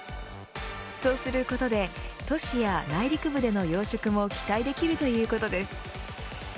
そうすることで都市や内陸部での養殖も期待できるということです。